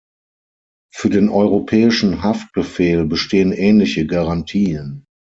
Für den Europäischen Haftbefehl bestehen ähnliche Garantien.